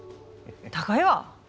高いわ！